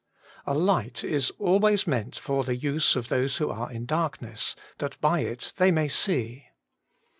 ALIGHT is always meant for the use of those who are in darkness, that by it they may see.